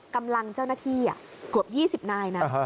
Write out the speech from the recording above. กำลังเจ้าหน้าที่กว่าประมาณ๒๐นายนะ